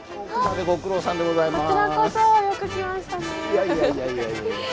いやいやいやいや。